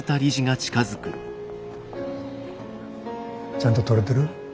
ちゃんと撮れてる？